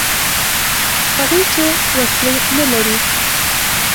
هغوی چې وسلې نه لري.